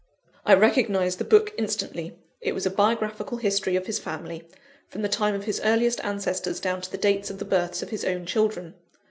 I recognised the book instantly. It was a biographical history of his family, from the time of his earliest ancestors down to the date of the births of his own children.